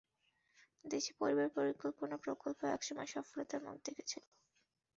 দেশে পরিবার পরিকল্পনা প্রকল্প একসময় সফলতার মুখ দেখেছিল।